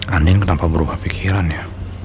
andin kenapa berubah pikiran ya